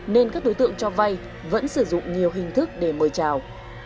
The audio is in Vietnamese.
nên các đối tượng cho vay vẫn sử dụng nhiều hình thức để mời chào